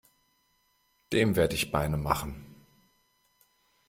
Dem werde ich Beine machen!